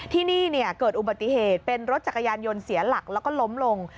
ที่นี่เกิดอุบัติเหตุเป็นรถจักรยานยนต์เสียหลักแล้วก็ล้มลง